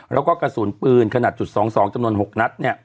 เราก็มีความหวังอะ